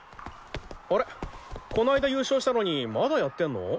あれこないだ優勝したのにまだやってんの？